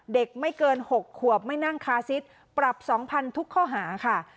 ไม่เกิน๖ขวบไม่นั่งคาซิสปรับ๒๐๐ทุกข้อหาค่ะ